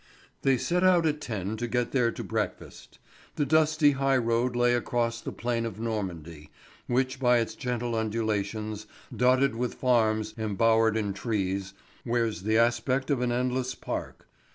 They set out at ten to get there to breakfast. The dusty high road lay across the plain of Normandy, which, by its gentle undulations, dotted with farms embowered in trees, wears the aspect of an endless park.